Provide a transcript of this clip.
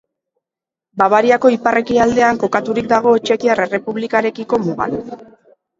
Bavariako ipar-ekialdean kokaturik dago Txekiar Errepublikarekiko mugan.